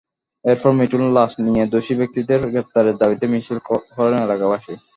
এরপর মিঠুর লাশ নিয়ে দোষী ব্যক্তিদের গ্রেপ্তারের দাবিতে মিছিল করেন এলাকাবাসী।